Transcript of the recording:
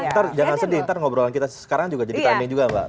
ntar jangan sedih ntar ngobrolan kita sekarang juga jadi timing juga mbak